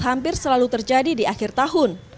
hampir selalu terjadi di akhir tahun